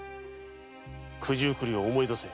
九十九里を思い出せ。